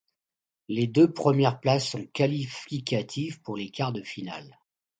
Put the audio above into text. Les deux premières places sont qualificatives pour les quarts de finale.